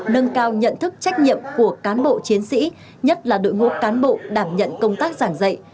nâng cao nhận thức trách nhiệm của cán bộ chiến sĩ nhất là đội ngũ cán bộ đảm nhận công tác giảng dạy